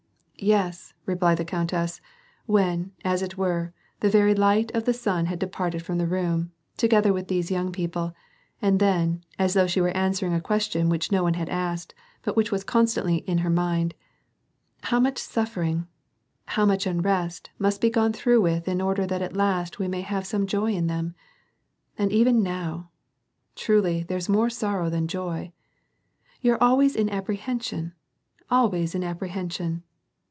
" Yes," replied the countess, when, as it were, the very light of the sun had departed from the room, together with these young people, and then, as though she were answering a question which no one had asked, but which was constantly in her mind :" How much suffering, how much unrest must be gone through with in order that at last we may have some joy in them ! And even now ! truly there's more sorrow than joy. You're always in apprehension, always in apprehension